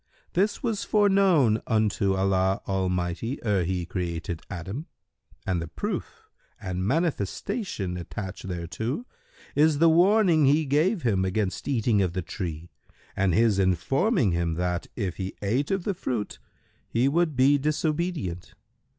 This was foreknown unto Allah Almighty ere He created Adam, and the proof and manifestation attached thereto is the warning He gave him against eating of the tree and His informing him that, if he ate of the fruit he would be disobedient.